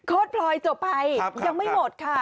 พลอยจบไปยังไม่หมดค่ะ